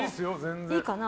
いいかな。